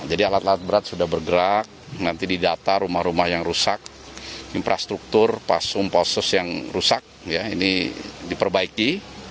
berat berat sudah bergerak nanti didata rumah rumah yang rusak infrastruktur pasum pasus yang rusak ini diperbaiki